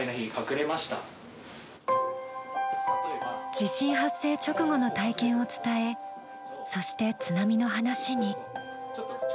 地震発生直後の体験を伝えそして、津波の話に。